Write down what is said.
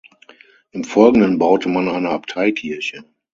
Im Folgenden baute man eine Abteikirche.